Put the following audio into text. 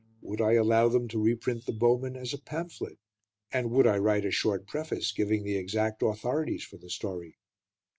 Would I allow them to reprint "The Bowmen" as a pamphlet, and would I write a short preface giving the exact authorities for the story?